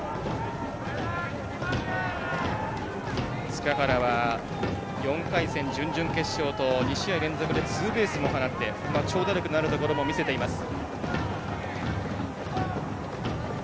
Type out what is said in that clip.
塚原は、４回戦、準々決勝と２試合連続でツーベースも放って長打力のあるところも見せています。